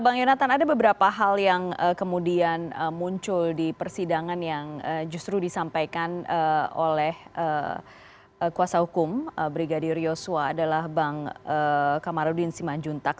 bang yonatan ada beberapa hal yang kemudian muncul di persidangan yang justru disampaikan oleh kuasa hukum brigadir yosua adalah bang kamarudin simanjuntak